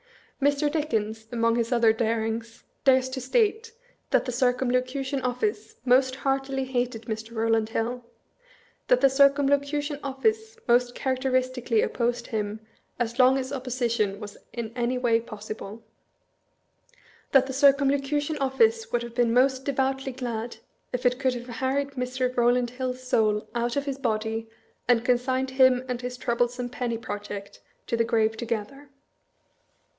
Mr. Dickens, among his other darings, dares to state, that the Circumlocution Office most heartily hated Mr. Eowland Hill; that the Circumlocution Office most characteristically opposed him as long as opposition was in any way possible; that the Circumlocution Office would have been most devoutly glad if it could have har ried Mr. Eowland Hill' s soul out of his body, and consigned him and his troublesome penny project to the grave to gether.